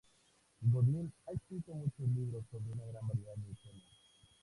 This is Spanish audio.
Godin ha escrito muchos libros sobre una gran variedad de temas.